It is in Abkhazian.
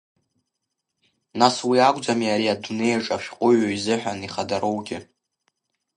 Нас уи акәӡами ари адунеиаҿ ашәҟәыҩҩы изыҳәан ихадароугьы.